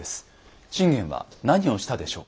信玄は何をしたでしょうか？